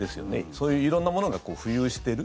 そういう色んなものが浮遊してる。